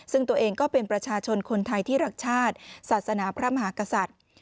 ซึ่งตัวเองก็เป็นประชาชนคนไทยที่รักชาติศาสนาพระมหากษัตริย์